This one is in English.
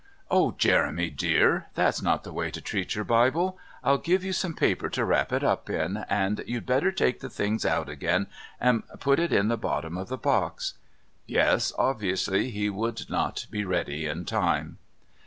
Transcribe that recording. "Oh, Jeremy clear, that's not the way to treat your Bible. I'll give you some paper to wrap it up in, and you'd better take the things out again and put it in at the bottom of the box." Yes, obviously he would not be ready in time.